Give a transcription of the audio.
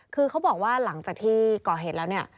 คือเขาบอกว่าหลังจากที่ก่อเหตุแล้วเนี่ย